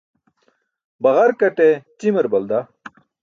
Baġarkate ćimar balda.